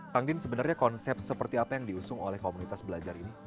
kang din sebenarnya konsep seperti apa yang diusung oleh komunitas belajar ini